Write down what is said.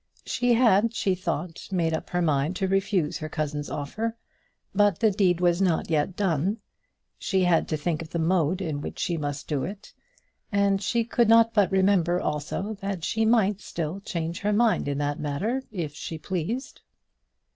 She had, she thought, made up her mind to refuse her cousin's offer; but the deed was not yet done. She had to think of the mode in which she must do it; and she could not but remember, also, that she might still change her mind in that matter if she pleased.